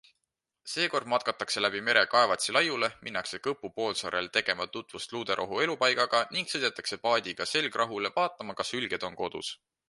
Seekord matkatakse läbi mere Kaevatsi laiule, minnakse Kõpu poolsaarele tegema tutvust luuderohu elupaigaga ning sõidetakse paadiga Selgrahule vaatama, kas hülged on kodus.